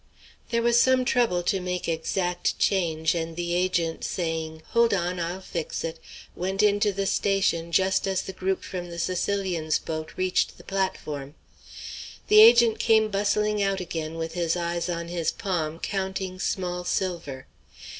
There was some trouble to make exact change, and the agent, saying "Hold on, I'll fix it," went into the station just as the group from the Sicilian's boat reached the platform. The agent came bustling out again with his eyes on his palm, counting small silver.